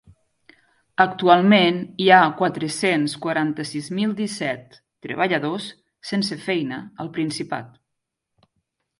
Actualment hi ha quatre-cents quaranta-sis mil disset treballadors sense feina al Principat.